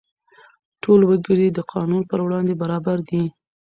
ټول وګړي د قانون پر وړاندې برابر دي.